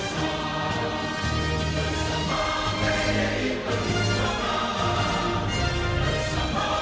mati bergerak berjuang bersama